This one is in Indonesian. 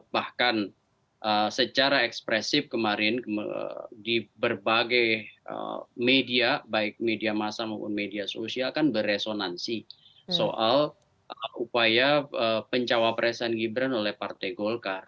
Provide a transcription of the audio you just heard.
bahkan secara ekspresif kemarin di berbagai media baik media masa maupun media sosial kan beresonansi soal upaya pencawapresan gibran oleh partai golkar